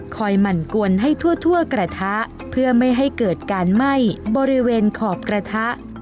หมั่นกวนให้ทั่วกระทะเพื่อไม่ให้เกิดการไหม้บริเวณขอบกระทะ